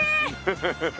フフフ